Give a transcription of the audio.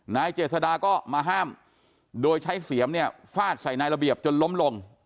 นายเจษดาก็มาห้ามโดยใช้เสียมเนี่ยฟาดใส่นายระเบียบจนล้มลง